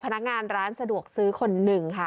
พนักงานร้านสะดวกซื้อคนหนึ่งค่ะ